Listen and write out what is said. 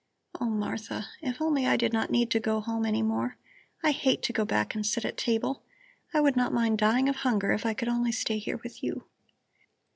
"Oh, Martha, if I only did not need to go home any more! I hate to go back and sit at table. I would not mind dying of hunger, if I could only stay here with you."